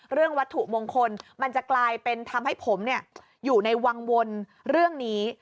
วัตถุมงคลมันจะกลายเป็นทำให้ผมอยู่ในวังวลเรื่องนี้